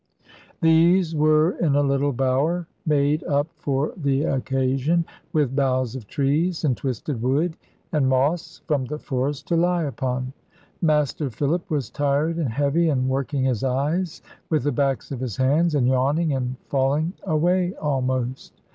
"These were in a little bower made up for the occasion, with boughs of trees, and twisted wood, and moss from the forest to lie upon. Master Philip was tired and heavy, and working his eyes with the backs of his hands, and yawning, and falling away almost.